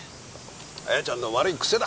あやちゃんの悪い癖だ。